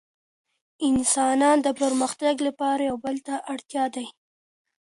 انسانان د پرمختګ لپاره يو بل ته اړ دي.